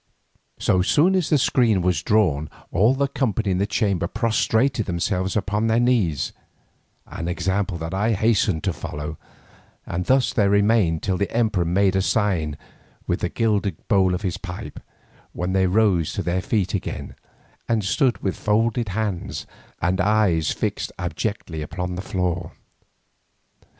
So soon as the screen was drawn all the company in the chamber prostrated themselves upon their knees, an example that I hastened to follow, and thus they remained till the emperor made a sign with the gilded bowl of his pipe, when they rose to their feet again and stood with folded hands and eyes fixed abjectly upon the floor.